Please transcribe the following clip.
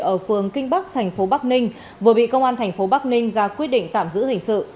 ở phường kinh bắc thành phố bắc ninh vừa bị công an thành phố bắc ninh ra quyết định tạm giữ hình sự